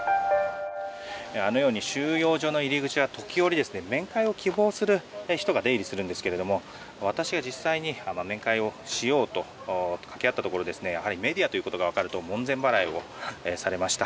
あのように収容所の入り口は時折、面会を希望する人が出入りするんですが私が実際に面会をしようとかけ合ったところメディアということがわかると門前払いをされました。